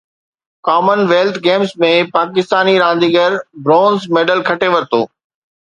ڪمن wealth games ۾ پاڪستاني رانديگر برونز ميڊل کٽي ورتو